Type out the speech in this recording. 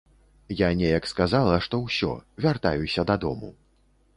Я неяк сказала, што ўсё, вяртаюся дадому.